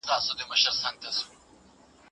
پوښتنه کول د زده کړي پیل دی.